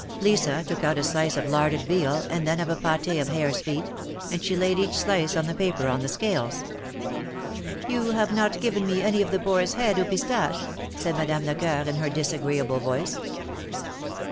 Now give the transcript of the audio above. Lisa took out a slice of larded veal, and then of a pat4 of harems feet, and she laid each slice on the paper on the scales. You have not given me any of the boar's head aux pistaches," said Madame Lecceur, in her disagreeable voice.